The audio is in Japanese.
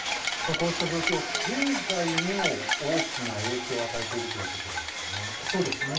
こうした状況、経済にも大きな影響を与えているということですよね。